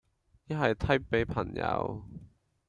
一係 tag 俾朋友